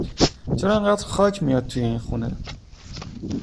چرا اِنقدر خاک میاد توی این خونه